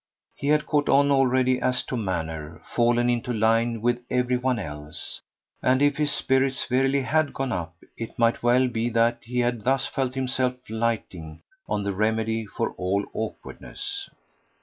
He had caught on already as to manner fallen into line with every one else; and if his spirits verily HAD gone up it might well be that he had thus felt himself lighting on the remedy for all awkwardness.